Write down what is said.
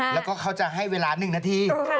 แล้วก็เขาจะให้เวลา๑นาที